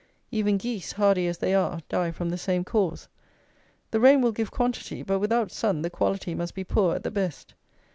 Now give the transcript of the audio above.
Even geese, hardy as they are, die from the same cause. The rain will give quantity; but without sun the quality must be poor at the best.